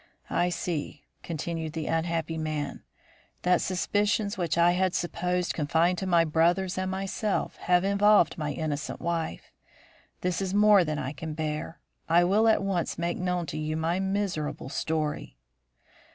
"I see," continued the unhappy man, "that suspicions which I had supposed confined to my brothers and myself have involved my innocent wife. This is more than I can bear. I will at once make known to you my miserable story."